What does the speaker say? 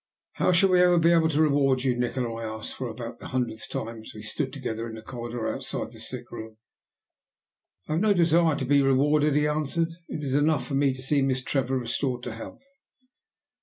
"How shall we ever be able to reward you, Nikola?" I asked, for about the hundredth time, as we stood together in the corridor outside the sick room. "I have no desire to be rewarded," he answered. "It is enough for me to see Miss Trevor restored to health.